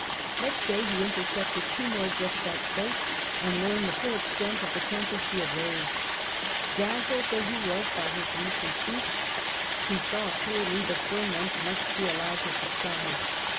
Next day he intercepted two more despatch boats, and learned the full extent of the tempest he had raised. Dazzled though he was with his recent feat, he saw clearly the ferment must be allowed to subside.